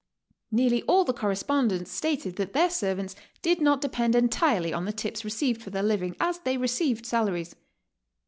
Nearly all the correspondents stated that their servants did not depend entirely on the tips received for their living, as they received salaries.